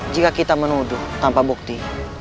jika kita menuduh tanpa bukti